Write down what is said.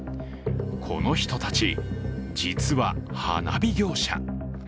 この人たち、実は花火業者。